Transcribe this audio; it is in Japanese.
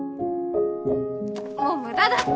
もう無駄だって！